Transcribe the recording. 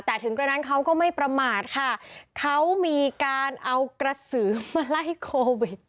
แต่ถึงกระนั้นเขาก็ไม่ประมาทค่ะเขามีการเอากระสือมาไล่โควิด